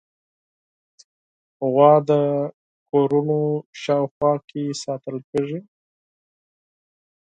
غوا د کورونو شاوخوا کې ساتل کېږي.